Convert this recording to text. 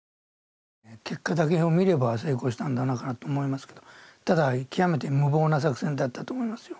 結果だけを見れば成功したんだなと思いますけどただ極めて無謀な作戦だったと思いますよ。